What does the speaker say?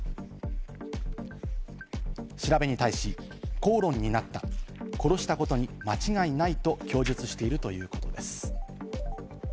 調べに対し、口論になった、殺したことに間違いないと供述しているということです。